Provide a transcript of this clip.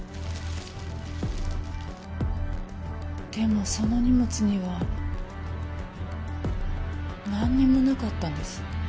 でもその荷物にはなんにもなかったんです。